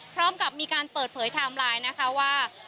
พร้อมกับมีการเปิดเผยไทม์ไลน์นะคะว่า